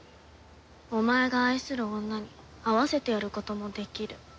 お前が愛する女に会わせてやることもできる。